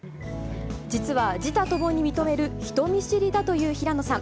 実は自他ともに認める人見知りだという平野さん。